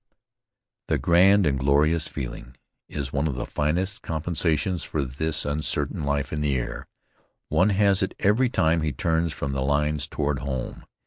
The "grand and glorious feeling" is one of the finest compensations for this uncertain life in the air. One has it every time he turns from the lines toward home!